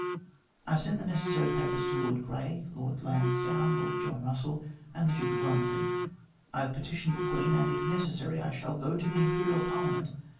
" I have sent the necessary papers to Lord Grey, Lord Lansdowne, Lord John Kussell, and the Duke of Wellington. I have petitioned the Queen, and, if necessary, I shall go to the Imperial Parliament.